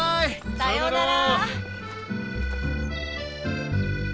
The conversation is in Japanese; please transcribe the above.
さようなら！